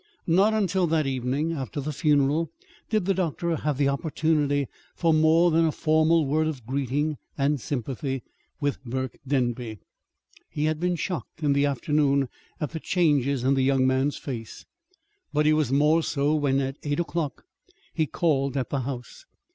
Not until that evening, after the funeral, did the doctor have the opportunity for more than a formal word of greeting and sympathy with Burke Denby. He had been shocked in the afternoon at the changes in the young man's face; but he was more so when, at eight o'clock, he called at the house.